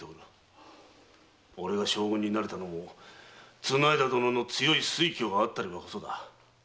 俺が将軍になれたのも綱條殿の強い推挙があったればこそだ。